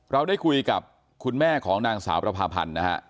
เราได้คุยกับคุณแม่ของนางสาวประพาพันธ์นะฮะ